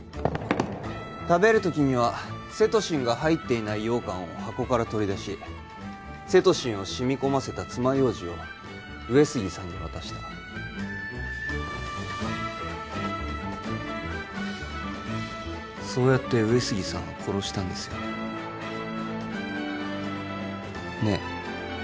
食べるときにはセトシンが入ってない羊羹を箱から取り出しセトシンを染み込ませた爪楊枝を上杉さんに渡したそうやって上杉さんを殺したんですよねねえ